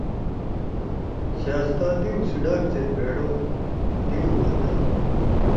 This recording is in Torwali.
شہزَدا دیؤ سی ڈاگ زید بھیڑ او دیؤ بنَدُو: